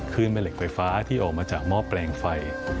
แม่เหล็กไฟฟ้าที่ออกมาจากหม้อแปลงไฟ